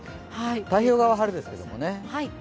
太平洋側は晴れですけどね。